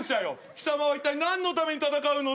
貴様はいったい何のために戦うのだ？